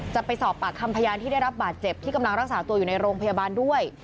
จะไปสอบปากคำพยานที่ได้รับบาดเจ็บที่กำลังรักษาตัวอยู่ในโรงพยาบาลด้วย